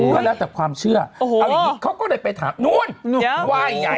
ก็แล้วแต่ความเชื่อเอาอย่างนี้เขาก็เลยไปถามนู่นไหว้ใหญ่